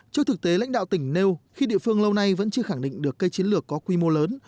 trước thực tế lãnh đạo tỉnh nêu khi địa phương lâu nay vẫn chưa khẳng định được cây chiến lược có quy mô lớn